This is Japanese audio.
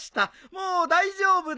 もう大丈夫です。